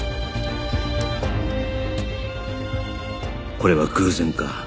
これは偶然か？